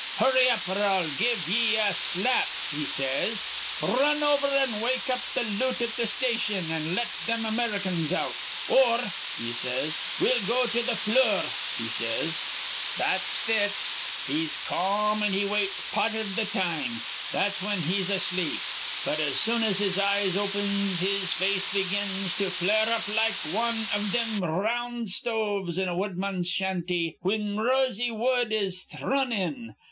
'Hurry up, or I'll give ye a slap,' he says. 'R run over an' wake up th' loot at th' station, an' let thim Americans out, or,' he says, 'we'll go to the flure,' he says. "That's Fitz. He's ca'm, an' he waits part iv th' time. That's whin he's asleep. But, as soon as his eyes opins, his face begins to flare up like wan iv thim r round stoves in a woodman's shanty whin rosiny wood is thrun in.